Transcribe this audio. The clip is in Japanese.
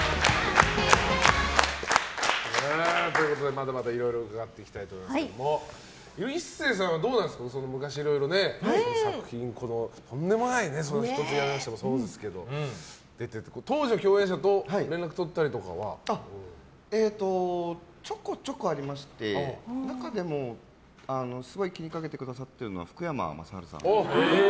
まだまだいろいろ伺っていきたいと思いますが壱成さんはどうなんですか昔いろいろ作品とんでもないやつ「ひとつ屋根の下」もそうですけど当時の共演者とちょこちょこありまして中でも、すごい気にかけてくださってるのは福山雅治さんで。